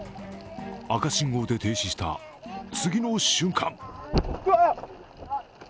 赤信号で停止した次の瞬間。